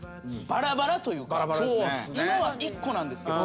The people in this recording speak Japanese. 今は１個なんですけど。